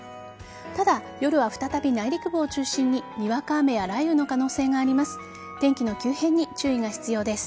ただ、夜は再び内陸部を中心ににわか雨や雷雨の可能性があります。